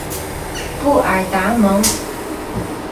布尔达蒙。